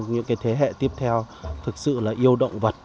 những cái thế hệ tiếp theo thực sự là yêu động vật